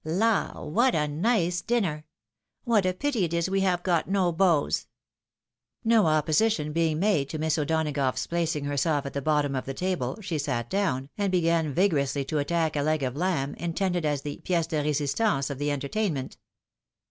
La ! what a nice dinner ! What a pity it is we have got no beaux !" No opposition being made to Miss O'Donagough's placing herself at the bottom of the table, she sat down, and began vigorously to attack a leg of lamb, intended as the piece de resistance of the entertainment.